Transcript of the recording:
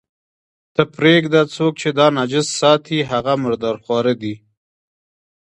ته پرېږده، څوک چې دا نجس ساتي، هغه مرداره خواره دي.